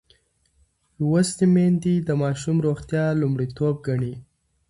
لوستې میندې د ماشوم روغتیا لومړیتوب ګڼي.